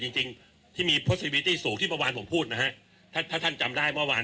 จริงจริงที่มีพฤษวีตี้สูงที่เมื่อวานผมพูดนะฮะถ้าถ้าท่านจำได้เมื่อวาน